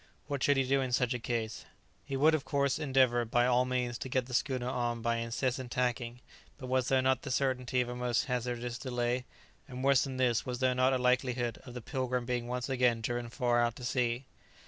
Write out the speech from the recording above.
What should he do in such a case? He would of course endeavour by all means to get the schooner on by incessant tacking; but was there not the certainty of a most hazardous delay? and worse than this, was there not a likelihood of the "Pilgrim" being once again driven far out to sea?